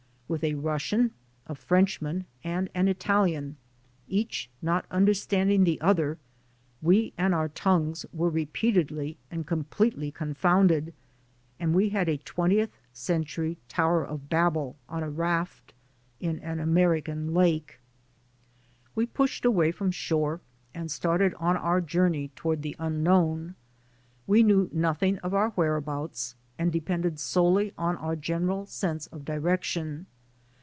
With a Russian, a Frenchman and an Italian, each not understanding the other, we and our tongues were repeatedly and completely IN THE AMERICAN STOEM 89 confounded and we had a twentieth century "Tower of Babel" on a raft on an American lake. We pushed away from shore and started on our journey toward the unknown. We knew nothing of our whereabouts and depended solely on our general sense of direction.